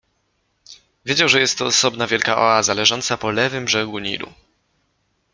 Wiedział, że jest to osobna, wielka oaza, leżąca po lewym brzegu Nilu.